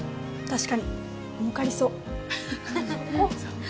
確かに儲かりそうそこ？